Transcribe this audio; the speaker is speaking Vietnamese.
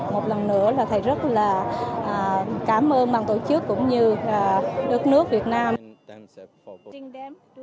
một lần nữa là thầy rất là cảm ơn bàn tổ chức cũng như đất nước việt nam